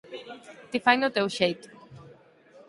Ti faino ao teu xeito